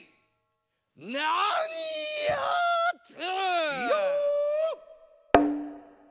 なにやつ？